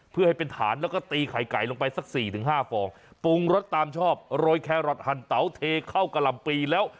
เพื่อให้เป็นฐานแล้วก็ตีไข่ไก่ลงไปสักสี่ถึงห้าฟองปรุงรสตามชอบโรยแครอทหั่นเตาเทเข้ากะหล่ำปีแล้ว